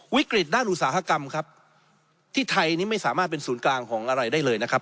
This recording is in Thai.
วิกฤตด้านอุตสาหกรรมครับที่ไทยนี่ไม่สามารถเป็นศูนย์กลางของอะไรได้เลยนะครับ